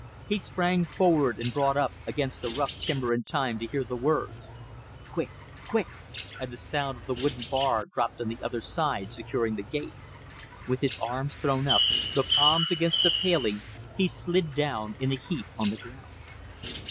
He sprang forward and brought up against the rough timber in time to hear the words, "Quick! Quick!" and the sound of the wooden bar dropped on the other side, securing the gate. With his arms thrown up, the palms against the paling, he slid down in a heap on the ground.